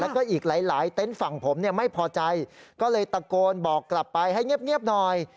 แล้วก็อีกหลายเต็นต์ฝั่งผมเนี่ยไม่พอใจก็เลยตะโกนบอกกลับไปให้เงียบหน่อย